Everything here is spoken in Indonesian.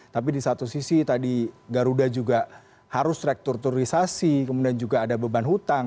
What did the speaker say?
tapi di satu sisi tadi garuda juga harus rekturisasi kemudian juga ada beban hutang